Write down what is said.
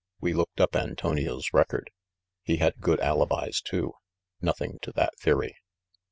We looked up Antonio's record. He had good alibis, too. Nothing to that theory."